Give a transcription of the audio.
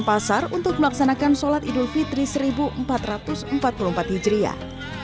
pasar untuk melaksanakan sholat idul fitri seribu empat ratus empat puluh empat hijriah